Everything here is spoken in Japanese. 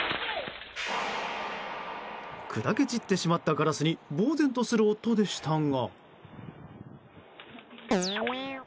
砕け散ってしまったガラスに呆然とする夫でしたが。